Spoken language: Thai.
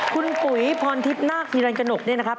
คุณปุ๋ยพรธิบน่าฮีรังกนกนี้นะครับ